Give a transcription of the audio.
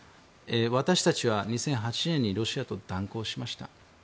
私たちは２００８年にロシアと断交しました。